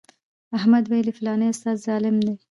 احمد ویل فلانی استاد ظالم دی.